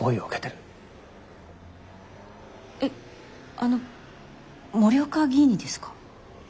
えっあの森岡議員にですか？